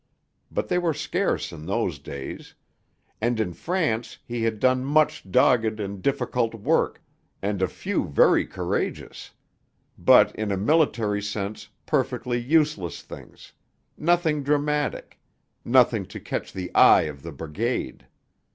But they were scarce in those days; and in France he had done much dogged and difficult work, and a few very courageous, but in a military sense perfectly useless things, nothing dramatic, nothing to catch the eye of the Brigade.